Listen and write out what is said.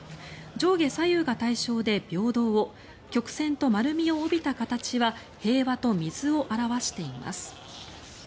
上下左右が対称で平等を曲線と丸みを帯びた形は平和と水を表しています。